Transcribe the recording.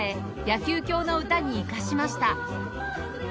『野球狂の詩』に生かしました